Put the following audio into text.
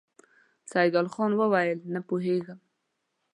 سيدال خان وويل: نه پوهېږم!